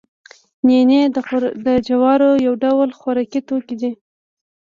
نینې د جوارو یو ډول خوراکي توکی دی